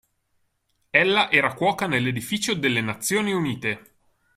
Ella era cuoca nell'edificio delle Nazioni Unite.